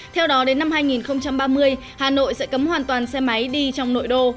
theo đó đến năm hai nghìn ba mươi hà nội sẽ cấm hoàn toàn xe máy đi trong nội đô